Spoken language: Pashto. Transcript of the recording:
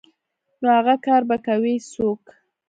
نو اغه کار به کوي څوک.